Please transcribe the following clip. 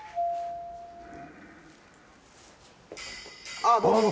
ああどうも。